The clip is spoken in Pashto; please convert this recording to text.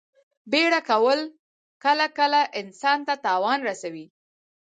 بیړه کول کله کله انسان ته تاوان رسوي.